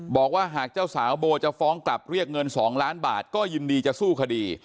บอกว่าหากเจ้าสาวโบจะฟ้องกลับเรียกเงิน๒ล้านบาทก็ยินดีจะสู้คดี